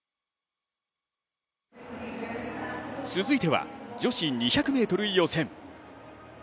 続いては女子２００ｍ予選。